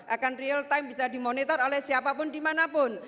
akan real time bisa dimonitor oleh siapapun dimanapun